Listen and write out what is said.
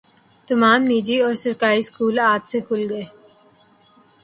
تمام نجی اور سرکاری اسکول آج سے کھل گئے